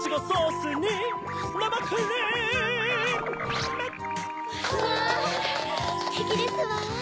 ステキですわ！